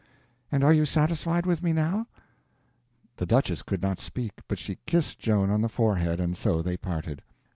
And are you satisfied with me now?" The duchess could not speak, but she kissed Joan on the forehead; and so they parted.